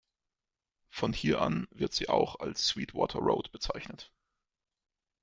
Von hier an wird sie auch als Sweet Water Road bezeichnet.